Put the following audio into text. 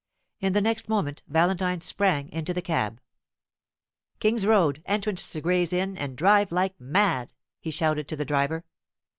In the next moment Valentine sprang into the cab. "King's Road entrance to Gray's Inn, and drive like mad!" he shouted to the driver.